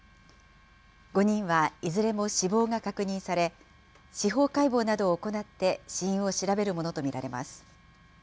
５人はいずれも死亡が確認され、司法解剖などを行って死因を調べるものと見られます。